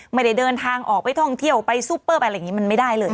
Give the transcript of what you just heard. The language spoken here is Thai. ไม่ได้เดินทางออกไปท่องเที่ยวไปซูเปอร์ไปอะไรอย่างนี้มันไม่ได้เลย